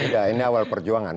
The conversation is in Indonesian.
tidak ini awal perjuangan